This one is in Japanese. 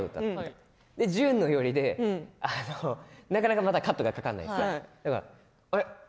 で淳の寄りでなかなかカットがかからない。